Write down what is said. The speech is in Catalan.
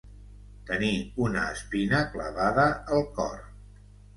Tenir una espina clavada al cor.